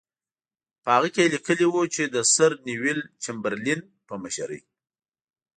په هغه کې یې لیکلي وو چې د سر نیویل چمبرلین په مشرۍ.